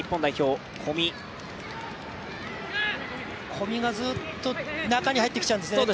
小見がずっと中に入ってきちゃうんですね。